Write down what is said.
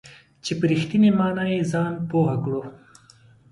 چې په رښتینې معنا یې ځان پوه کړو .